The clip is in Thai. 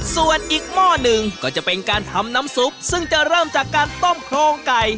ส่วนอีกหม้อหนึ่งก็จะเป็นการทำน้ำซุปซึ่งจะเริ่มจากการต้มโครงไก่